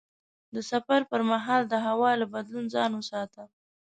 د سفر پر مهال د هوا له بدلون ځان وساته.